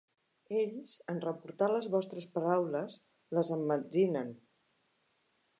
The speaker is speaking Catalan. Ells, en reportar les vostres paraules, les emmetzinen!